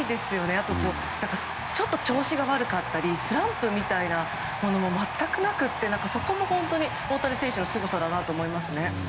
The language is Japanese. あと、ちょっと調子が悪かったりスランプみたいなものも全くなくって、そこも本当に大谷選手のすごさだなと思います。